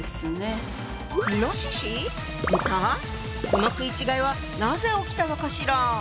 この食い違いはなぜ起きたのかしら？